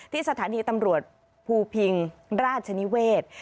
ที่สถานีตำรวจภูพิงราชนิเวช